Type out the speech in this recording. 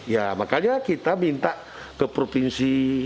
ya makanya kita minta ke provinsi